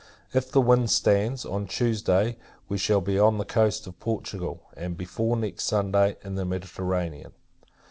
If the wind stands, on Tuesday we shall be on the coast of Portugal; and, before next Sunday, in the Mediterranean.